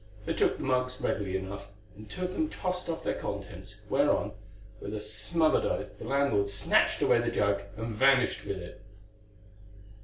They took the mugs readily enough, and two of them tossed off their contents, whereon, with a smothered oath, the landlord snatched away the jug and vanished with it.